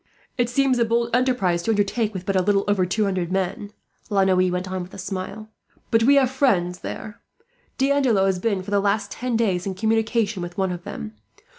"It seems a bold enterprise to undertake, with but little over two hundred men," La Noue went on with a smile; "but we have friends there. D'Andelot has been, for the last ten days, in communication with one of them.